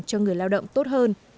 cho người lao động tốt hơn